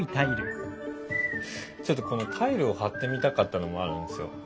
ちょっとこのタイルを貼ってみたかったのもあるんですよ。